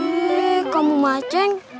heeh kamu maceng